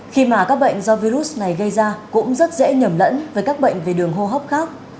khi mà các bệnh do virus này gây ra cũng rất dễ nhầm lẫn với các bệnh về đường hô hấp khác